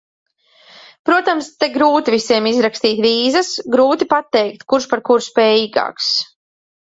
Protams, te grūti visiem izrakstīt vīzas, grūti pateikt, kurš par kuru spējīgāks.